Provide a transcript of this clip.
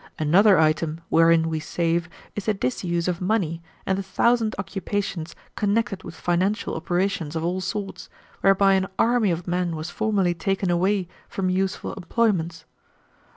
"Another item wherein we save is the disuse of money and the thousand occupations connected with financial operations of all sorts, whereby an army of men was formerly taken away from useful employments.